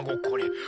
これ。